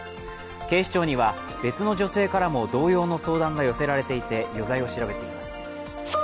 警視庁には別の女性からも同様の相談が寄せられていて余罪を調べています。